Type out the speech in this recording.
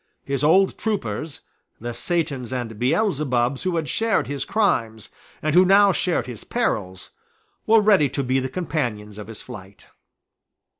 His old troopers, the Satans and Beelzebubs who had shared his crimes, and who now shared his perils, were ready to be the companions of his flight.